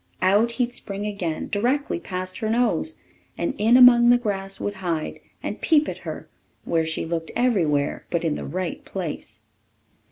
out he'd spring again, directly past her nose, and in among the grass would hide, and peep at her, while she looked every where but in the right place.